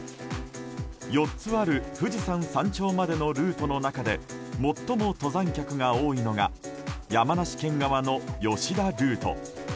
４つある富士山山頂までのルートの中で最も登山客が多いのが山梨県側の吉田ルート。